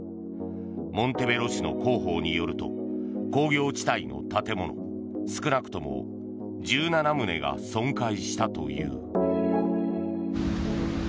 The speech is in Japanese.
モンテベロ市の広報によると工業地帯の建物少なくとも１７棟が損壊したという。